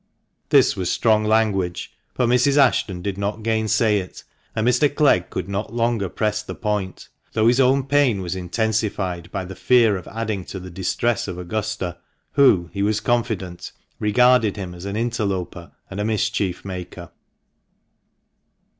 This was strong language, but Mrs. Ashton did not gainsay it, and Mr, Clegg could not longer press the point, though his own pain was intensified by the fear of adding to the distress of Augusta, who, he was confident, regarded him as an interloper and a mischief maker.